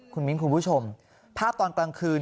คุณมิ้นคุณผู้ชมภาพตอนกลางคืน